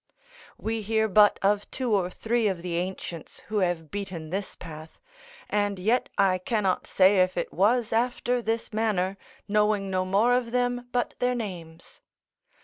We hear but of two or three of the ancients, who have beaten this path, and yet I cannot say if it was after this manner, knowing no more of them but their names.